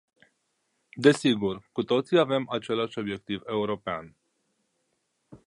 Desigur, cu toții avem același obiectiv european.